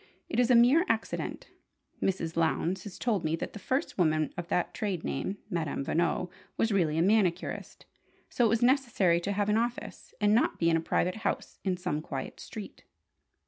It is a mere accident. Mrs. Lowndes has told me that the first woman of that trade name, 'Madame Veno,' was really a manicurist: so it was necessary to have an office, and not be in a private house in some quiet street."